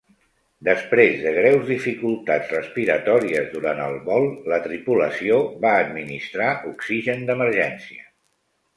Després de greus dificultats respiratòries durant el vol, la tripulació va administrar oxigen d'emergència.